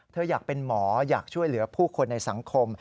อยากเป็นหมออยากช่วยเหลือผู้คนในสังคม